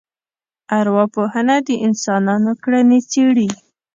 ارواپوهنه د انسانانو کړنې څېړي